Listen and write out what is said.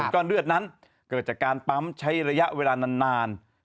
ก้อนเลือดนั้นเกิดจากการปั๊มใช้ระยะเวลานาน